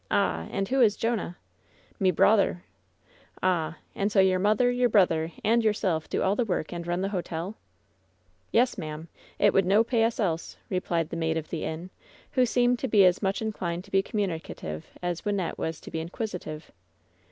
"Ah! and who is Jonah?" "Me brawther." "Ah ! And so your mother, your brother, and your self do all the work and run the hotel ?" "Yes, ma'am. It would no pay us else," replied the "Maid of the Inn," who seemed to be as much inclined to be communicative as Wynnette was to be inquisitive.